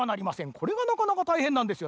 これがなかなかたいへんなんですよ。